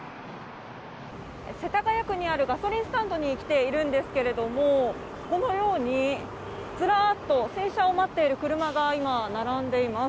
世田谷区にあるガソリンスタンドに来ているんですけれどもこのようにずらっと洗車を待っている車が今、並んでいます。